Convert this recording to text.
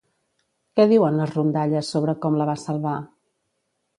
Què diuen les rondalles sobre com la va salvar?